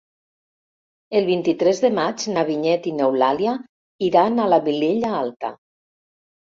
El vint-i-tres de maig na Vinyet i n'Eulàlia iran a la Vilella Alta.